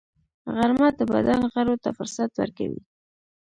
غرمه د بدن غړو ته فرصت ورکوي